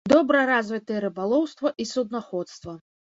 Добра развітыя рыбалоўства і суднаходства.